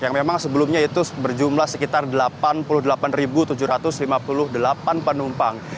yang memang sebelumnya itu berjumlah sekitar delapan puluh delapan tujuh ratus lima puluh delapan penumpang